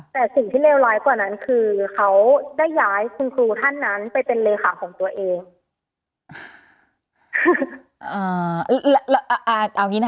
แต่สิ่งที่เลวร้ายกว่านั้นคือเขาได้ย้ายคุณครูท่านนั้นไปเป็นเลขาของตัวเอง